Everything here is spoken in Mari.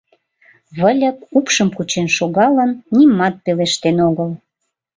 Выльып упшым кучен шогалын, нимат пелештен огыл.